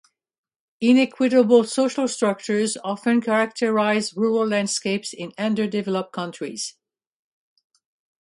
Inequitable social structures often characterize rural landscapes in underdeveloped countries.